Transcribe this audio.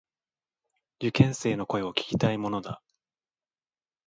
受験生の声を聞きたいものだ。